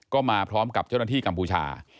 ก็มาพร้อมกับเจ้าหน้าที่กัมพูชา